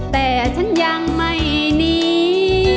แต่ฉันยังไม่หนี